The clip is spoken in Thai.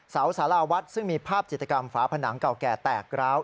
สาราวัดซึ่งมีภาพจิตกรรมฝาผนังเก่าแก่แตกร้าว